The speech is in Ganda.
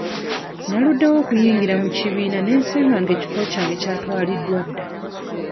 Naluddewo okuyingira mu kibiina ne nsanga nga ekifo kyange kyatwaliddwa dda.